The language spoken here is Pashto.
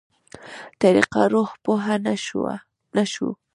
طريقه روح پوه نه شو.